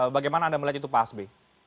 bagaimana anda melihat itu pak hasbi